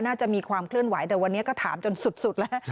น่าจะมีความเคลื่อนไหวแต่วันนี้ก็ถามจนสุดแล้ว